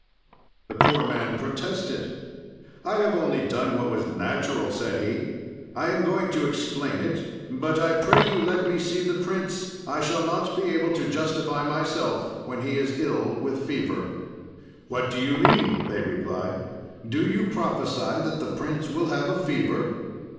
"The poor man protested. "'I have only done what was natural,' said he. 'I am going to explain it, but I pray you let me see the prince; I shall not be able to justify myself when he is ill with fever.' "'What do you mean,' they replied, 'do you prophesy that the prince will have a fever?'